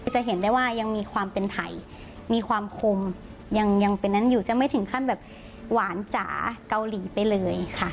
จะเห็นได้ว่ายังมีความเป็นไทยมีความคมยังเป็นนั้นอยู่จะไม่ถึงขั้นแบบหวานจ๋าเกาหลีไปเลยค่ะ